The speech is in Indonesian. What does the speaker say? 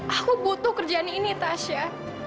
aku butuh kerjaan ini tasya